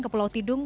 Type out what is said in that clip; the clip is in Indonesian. ke pulau tidung